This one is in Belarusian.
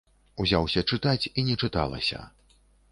Узяўся чытаць, і не чыталася.